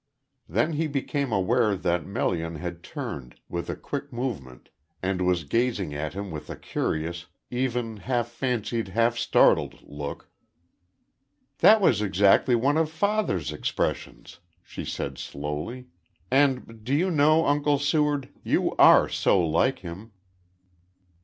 Then he became aware that Melian had turned, with a quick movement, and was gazing at him with a curious he even fancied half startled look. "That was exactly one of father's expressions," she said slowly. "And do you know, Uncle Seward, you are so like him."